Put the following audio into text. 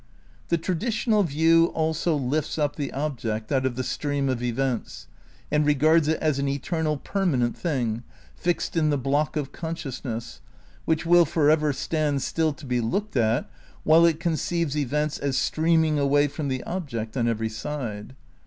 The traditional view also lifts up the object out of the stream of events and regards it as an eternal per manent thing, fixed in the block of consciousness, which will for ever stand still to be looked at, while it con ceives events as streaming away from the object on every side.